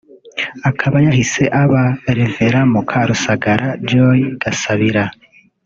akaba yahise aba Rev Mukarusagara Joy Gasabira